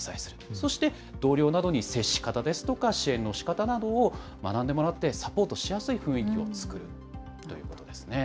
そして同僚などに接し方ですとか、支援のしかたなどを学んでもらって、サポートしやすい雰囲気を作るということですね。